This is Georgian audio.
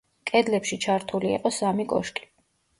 კედლებში ჩართული იყო სამი კოშკი.